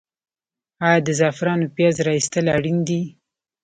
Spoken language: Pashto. آیا د زعفرانو پیاز را ایستل اړین دي؟